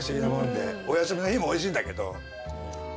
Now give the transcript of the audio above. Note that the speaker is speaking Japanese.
お休みの日もおいしいんだけど。